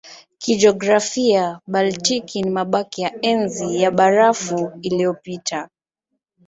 Kijiografia Baltiki ni mabaki ya Enzi ya Barafu iliyopita.